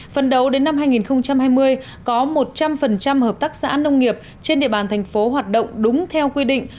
phần đầu đến năm hai nghìn hai mươi có một trăm linh hợp tác xã nông nghiệp trên địa bàn thành phố hoạt động đúng theo quy định